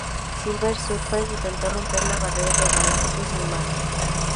Silver Surfer intentó romper la barrera de Galactus en vano.